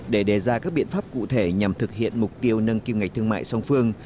để đề ra các biện pháp cụ thể nhằm thực hiện mục tiêu nâng kim ngạch thương mại song phương